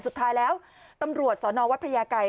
สุดท้ายแล้วตำรวจสอนอวัดพระยาไกร